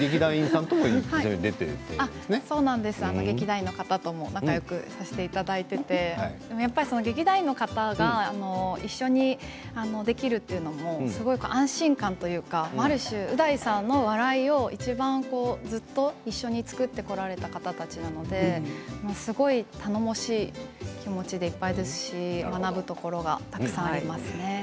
ほかの劇団員の方にもよくしていただいていて劇団員の方が一緒にできるというのも安心感というかある種う大さんの笑いをいちばんずっと一緒に作ってこられた方たちなのですごく頼もしい気持ちでいっぱいですし学ぶところがたくさんあります。